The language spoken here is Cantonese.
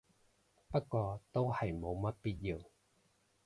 不過都係冇乜必要